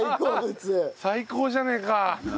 最高じゃねえか。